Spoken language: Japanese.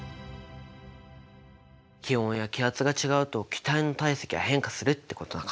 気温や気圧が違うと気体の体積は変化するってことか。